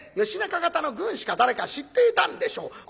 義仲方の軍師か誰か知っていたんでしょう。